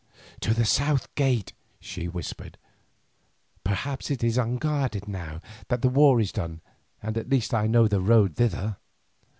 "To the south gate," she whispered; "perhaps it is unguarded now that the war is done, at the least I know the road thither."